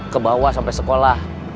kebawah sampai sekolah